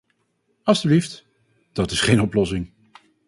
Alstublieft, dat is geen oplossing.